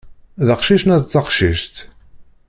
D aqcic neɣ d taqcict?